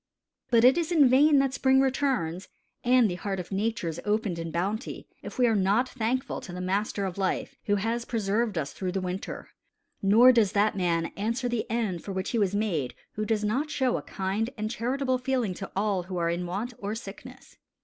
But it is in vain that spring returns, and that the heart of Nature is opened in bounty, if we are not thankful to the Master of Life, who has preserved us through the winter. Nor does that man answer the end for which he was made who does not show a kind and charitable feeling to all who are in want or sickness.